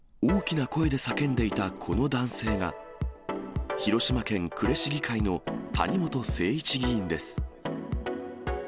大きな声で叫んでいたこの男性が、広島県呉市議会の谷本誠一議員です。